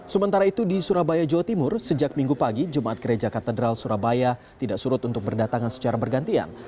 sementara itu di surabaya jawa timur sejak minggu pagi jumat gereja katedral surabaya tidak surut untuk berdatangan secara bergantian